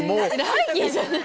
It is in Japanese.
ラッキーじゃない。